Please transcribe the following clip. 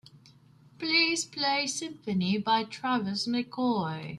Please play symphony by Travis Mccoy